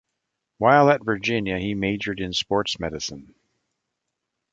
While at Virginia, he majored in sports medicine.